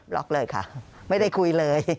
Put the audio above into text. ล็อกเลยค่ะไม่ได้คุยเลย